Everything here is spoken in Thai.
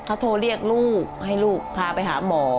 เขาโทรเรียกลูกให้ลูกพาไปหาหมอ